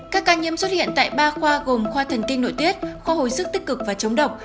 các ca nhiễm xuất hiện tại ba khoa gồm khoa thần kinh nội tiết khoa hồi sức tích cực và chống độc